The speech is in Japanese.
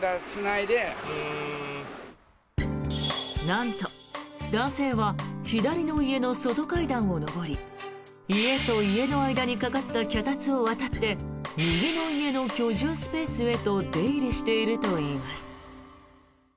なんと男性は左の家の外階段を上り家と家の間に架かった脚立を渡って右の家の居住スペースへと出入りしているといいます。